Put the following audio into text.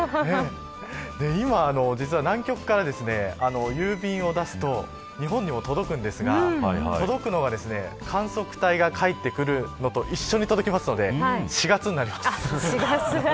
今、実は南極から郵便を出すと日本にも届くんですが届くのが観測隊が帰ってくるのと一緒に届くので４月になります。